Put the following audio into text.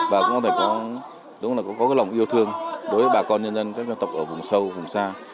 và cũng có thể đúng là cũng có cái lòng yêu thương đối với bà con nhân dân các dân tộc ở vùng sâu vùng xa